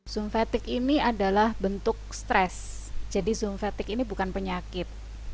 zoom fatigue ini adalah bentuk stres jadi zoom fatigue ini bukan penyakit